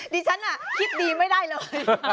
ดิฉันคิดดีไม่ได้เลย